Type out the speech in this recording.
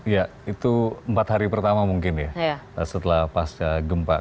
ya itu empat hari pertama mungkin ya setelah pasca gempa